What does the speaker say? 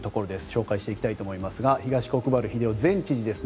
紹介していきたいと思いますが東国原英夫前知事です。